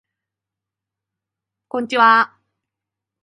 こんちはー